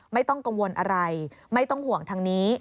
ไม่ต้องกังวลอะไรไม่ต้องห่วงทางนี้